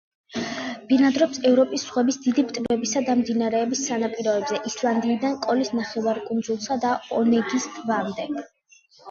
ბინადრობს ევროპის ზღვების, დიდი ტბებისა და მდინარეების სანაპიროებზე ისლანდიიდან კოლის ნახევარკუნძულსა და ონეგის ტბამდე.